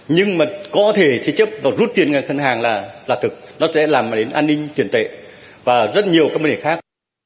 nhưng mà có thể thế chấp và rút tiền ngành ngân hàng là thực nó sẽ làm đến an ninh tiền tệ và rất nhiều các vấn đề khác